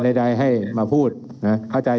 ครับก็เดี๋ยวเชิญพี่น้องสมุทรจะสอบถามนะโจ้เต็มใจจะตอบคำถามไหม